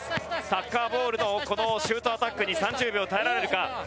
サッカーボールのこのシュートアタックに３０秒耐えられるか？